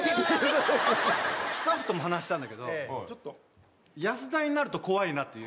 スタッフとも話してたんだけど安田になると怖いなという。